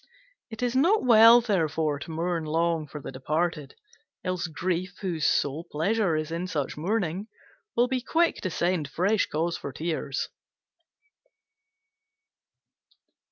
It is not well, therefore, to mourn long for the departed; else Grief, whose sole pleasure is in such mourning, will be quick to send fresh cause for tears.